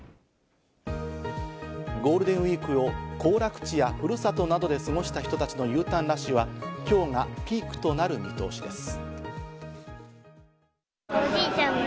ゴールデンウイークを行楽地やふるさとなどで過ごした人たちのＵターンラッシュは今日がピークとなる見通しです。